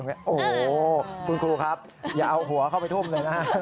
โอ้โหคุณครูครับอย่าเอาหัวเข้าไปทุ่มเลยนะฮะ